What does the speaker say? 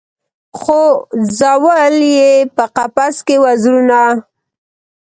خو ځول یې په قفس کي وزرونه